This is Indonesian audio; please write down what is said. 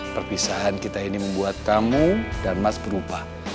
perpisahan kita ini membuat kamu dan mas berubah